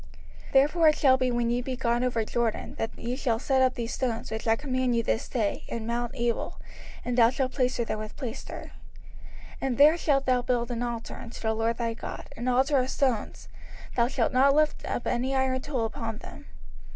05:027:004 Therefore it shall be when ye be gone over Jordan, that ye shall set up these stones, which I command you this day, in mount Ebal, and thou shalt plaister them with plaister. 05:027:005 And there shalt thou build an altar unto the LORD thy God, an altar of stones: thou shalt not lift up any iron tool upon them.